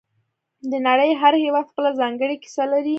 د نړۍ هر هېواد خپله ځانګړې کیسه لري